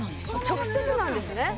直接なんですね。